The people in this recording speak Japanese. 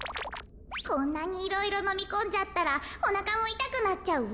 こんなにいろいろのみこんじゃったらおなかもいたくなっちゃうわ。